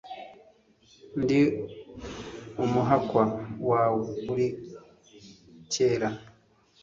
Ndi umuhakwa wawe uri kera,